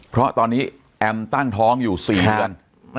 เพราะตอนนี้แอมตั้งท้องอยู่๔เดือน